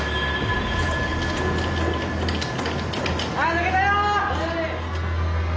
抜けたよ！